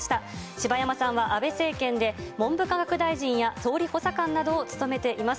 柴山さんは安倍政権で、文部科学大臣や総理補佐官などを務めています。